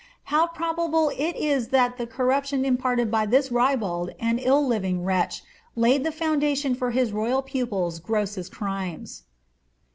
How jMrobable it is that the corruption imparted by this ribald and illrliving wretch laid the foun dation for his royal pupil's grossest crimes